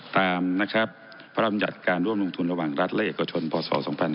ตามนะครับพรรมหยัดการร่วมลงทุนระหว่างรัฐเลขกระชนพศ๒๕๖๓